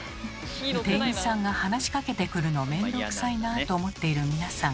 「店員さんが話しかけてくるの面倒くさいな」と思っている皆さん。